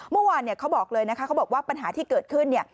เมื่อวานเขาบอกเลยนะคะเขาบอกว่าปัญหาที่เกิดขึ้นเนี่ย